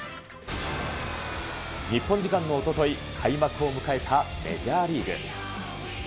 日本時間のおととい、開幕を迎えたメジャーリーグ。